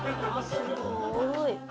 すごい。